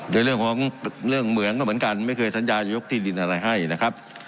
โดยเรื่องของเรื่องเหมืองก็เหมือนกันไม่เคยสัญญาจะยกที่ดินอะไรให้นะครับ